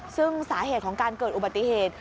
ซึ่งสาเหตุของการเกิดอุบัติเหตุ